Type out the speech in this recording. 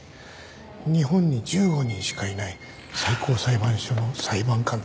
日本に１５人しかいない最高裁判所の裁判官だ。